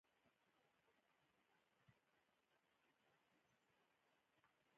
انګور د افغانانو لپاره په معنوي لحاظ ارزښت لري.